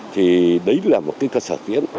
thì đấy là một cái cơ sở tiến